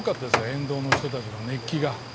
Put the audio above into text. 沿道の人たちの熱気が。